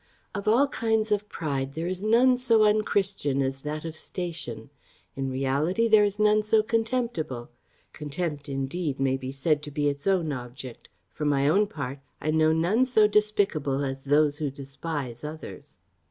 Of all kinds of pride, there is none so unchristian as that of station; in reality, there is none so contemptible. Contempt, indeed, may be said to be its own object; for my own part, I know none so despicable as those who despise others."